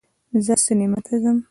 زه سینما ته ځم